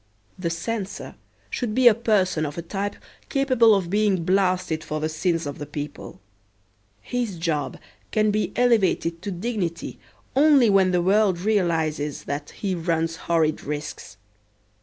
The censor should be a person of a type capable of being blasted for the sins of the people. His job can be elevated to dignity only when the world realizes that he runs horrid risks.